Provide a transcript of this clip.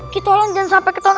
kito long jangan sampai keton